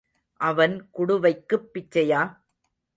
அவன் குடுவைக்குப் பிச்சையா?